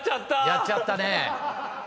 やっちゃったね。